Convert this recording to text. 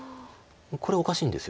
これはおかしいんです。